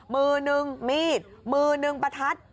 มือนึงมีดมือหนึ่งประทัด